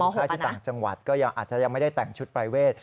อยู่ค่าที่ต่างจังหวัดก็อาจจะยังไม่ได้แต่งชุดปริเวศ